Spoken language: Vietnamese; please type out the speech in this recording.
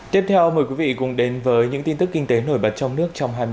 tiếp theo mời quý vị cùng đến với những tin tức kinh tế nổi bật trong nước trong hai mươi bốn giờ qua